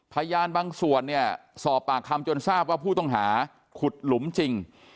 พยานบางส่วนเนี่ยสอบปากคำจนทราบว่าผู้ต้องหาขุดหลุมจริง